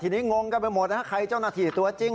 ทีนี้งงกันไปหมดนะครับใครเจ้าหน้าที่ตัวจริง